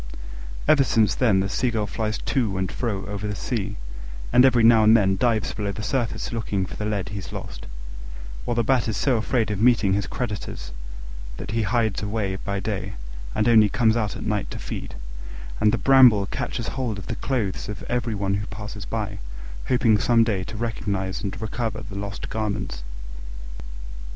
Ever since then the Seagull flies to and fro over the sea, and every now and then dives below the surface, looking for the lead he's lost; while the Bat is so afraid of meeting his creditors that he hides away by day and only comes out at night to feed; and the Bramble catches hold of the clothes of every one who passes by, hoping some day to recognise and recover the lost garments.